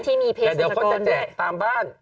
ที่มีเพศสัตว์กรได้แต่เดี๋ยวเขาจะแจกตามบ้าน